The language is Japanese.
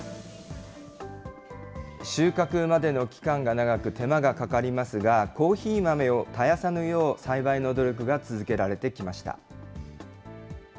収穫までの期間が長く、手間がかかりますが、コーヒー豆を絶やさぬよう、栽培の努力が続けられてきました。